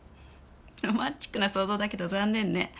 ロマンチックな想像だけど残念ね。